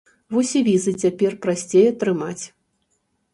Вось і візы цяпер прасцей атрымаць.